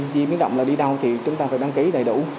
di biến động là đi đâu thì chúng ta phải đăng ký đầy đủ